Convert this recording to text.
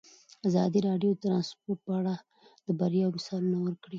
ازادي راډیو د ترانسپورټ په اړه د بریاوو مثالونه ورکړي.